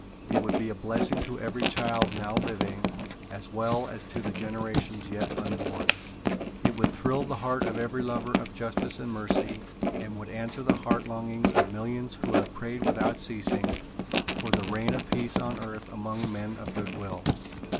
It would be a blessing to every child now living, as well as to the generations yet unborn. It would thrill the heart of every lover of justice and mercy and would answer the heart longings of millions who have prayed without ceasing for the reign of peace on earth among men of good will.